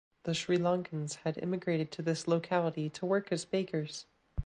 The Sri Lankans had immigrated to this locality to work as bakers.